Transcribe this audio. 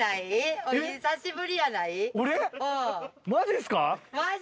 マジっすか？